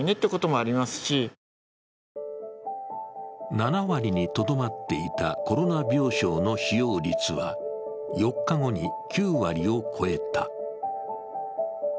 ７割にとどまっていたコロナ病床の使用率は４日後に９割を超えた。